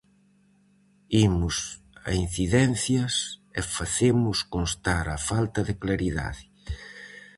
"Imos a incidencias é facemos constar a falta de claridade".